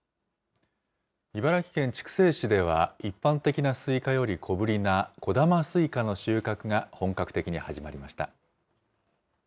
茨城県筑西市では、一般的なスイカより小ぶりなこだますいかの収穫が本格的に始まりました。